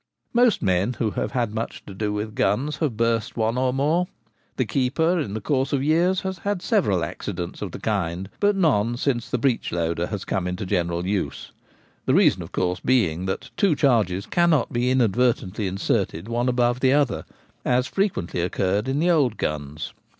Most men who have had much to do with guns have burst one or more. The keeper in the course of years has had several accidents of the kind ; but none since the breechloader has come into general use, the reason of course being that two charges cannot be inadvertently inserted one above the other, as frequently occurred in the old guns.